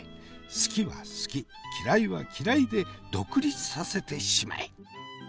好きは好き嫌いは嫌いで独立させてしまえ！